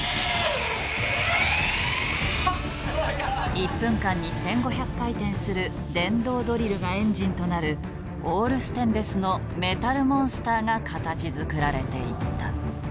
１分間に１，５００回転する電動ドリルがエンジンとなるオールステンレスのメタルモンスターが形づくられていった。